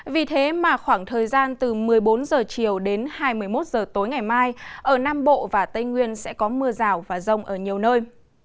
vì thế mà khoảng thời gian từ một mươi bốn h chiều đến hai mươi một h tối ngày mai ở nam bộ và tây nguyên sẽ có mưa rào và rông ở nhiều nơi